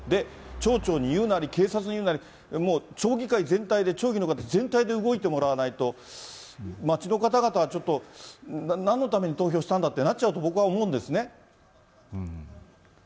町長に言うなり、警察に言うなり、もう町議会全体で町議の方全体で動いてもらわないと、町の方々はちょっと、なんのために投票したんだってなっちゃうと僕は思うん